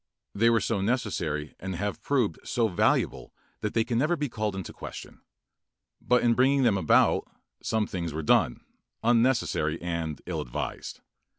They were so necessary and have proved so valuable that they can never be called in question. But in bringing them about, some things were done, unnecessary and ill advised.